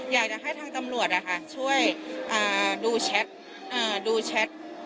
อยากจะให้ทางตำรวจช่วยดูแชท